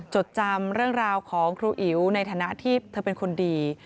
จดจำเรื่องราวของครูอิ๋วในฐานะที่เธอเป็นคนดี